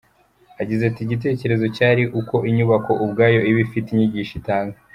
Yagize ati “ Igitekerezo cyari uko inyubako ubwayo iba ifite inyigisho itanga.